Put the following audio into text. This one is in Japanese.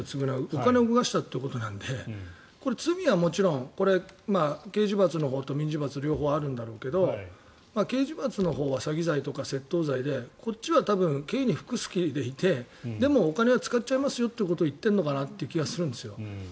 お金を動かしたということなのでこれ罪はもちろん刑事罰のほうと民事罰両方あるんだろうけど刑事罰のほうは詐欺罪とか窃盗罪でこっちは刑に服す気でいてでもお金は使っちゃいますよということを言っている気がするんです。